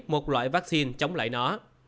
một loại vaccine chống lại nó